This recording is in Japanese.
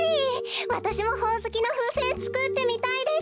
わたしもほおずきのふうせんつくってみたいです。